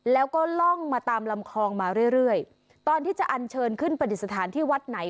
แล้วก็ล่องมาตามลำคลองมาเรื่อยเรื่อยตอนที่จะอันเชิญขึ้นปฏิสถานที่วัดไหน